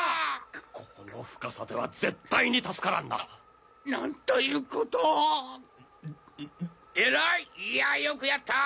ここの深さでは絶対に助からんななんということをんっ